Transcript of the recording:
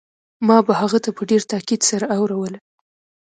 ما به هغه ته په ډېر تاکيد سره اوروله.